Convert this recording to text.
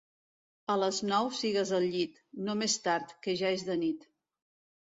A les nou sigues al llit, no més tard, que ja és de nit.